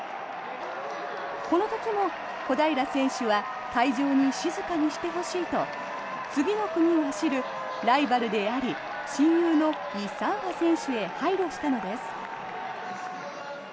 この時も小平選手は会場に静かにしてほしいと次の組を走るライバルであり親友のイ・サンファ選手へ配慮したのです。